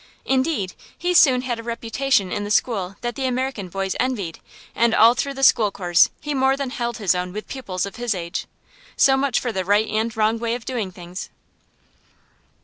Indeed, he soon had a reputation in the school that the American boys envied; and all through the school course he more than held his own with pupils of his age. So much for the right and wrong way of doing things.